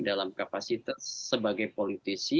dalam kapasitas sebagai politisi